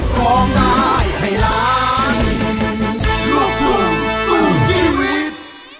ฟองได้ให้ร้านลูกคุณสู้ชีวิต